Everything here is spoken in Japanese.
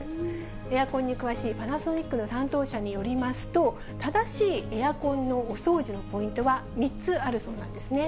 エアコンに詳しいパナソニックの担当者によりますと、正しいエアコンのお掃除のポイントは３つあるそうなんですね。